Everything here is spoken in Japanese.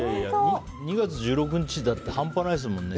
２月１６日だって半端ないですもんね。